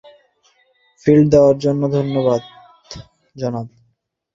Lift দেয়ার জন্য ধন্যবাদ, জনাব।